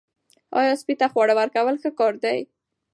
آیا سپي ته خواړه ورکول ښه کار دی؟